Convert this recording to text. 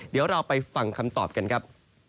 เดี๋ยวเราไปฟังคำตอบกันครับ